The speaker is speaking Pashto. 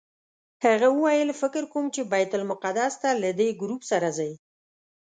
هغه وویل فکر کوم چې بیت المقدس ته له دې ګروپ سره ځئ.